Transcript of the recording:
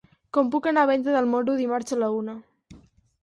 Com puc anar a Venta del Moro dimarts a la una?